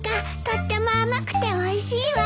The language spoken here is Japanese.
とっても甘くておいしいわ。